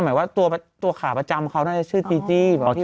หมายว่าตัวขาประจำเขาน่าจะชื่อจีจี้